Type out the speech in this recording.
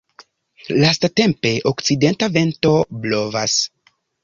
Lastatempe okcidenta vento blovas.